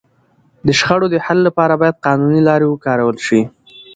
د شخړو د حل لپاره باید قانوني لاري وکارول سي.